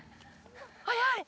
早い。